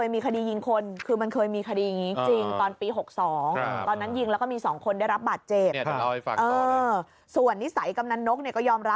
มีคอมเมนต์อะไรอย่างนี้ค่ะว่าแบบต้องฆ่าล้างโฆษณ์อะไรอย่างนี้ค่ะ